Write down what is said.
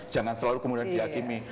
jangan selalu kemudian diakimi